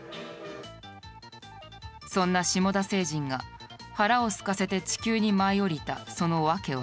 そんなシモダ星人が腹をすかせて地球に舞い降りたその訳は？